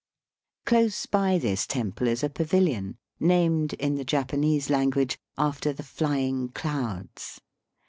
Close by this temple is a paviUon, named, in the Japanese language, after the flying clouds.